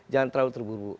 jangan terlalu terburu buru